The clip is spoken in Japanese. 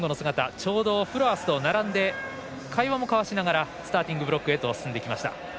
ちょうど、フロアスと並んで会話も交わしながらスターティングブロックへと進んできました。